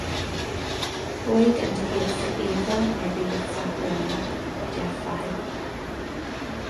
Boyd indicates that Ava may be with Zachariah (Jeff Fahey).